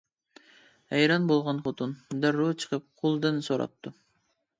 ھەيران بولغان خوتۇن دەررۇ چىقىپ قۇلدىن سوراپتۇ.